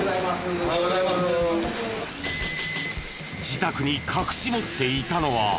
自宅に隠し持っていたのは。